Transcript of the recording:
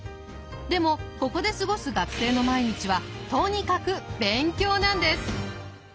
でもここで過ごす学生の毎日はとにかく勉強なんです。